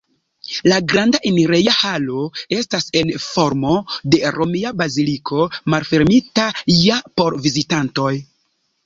La granda enireja halo estas en formo de romia baziliko, malfermita ja por vizitantoj.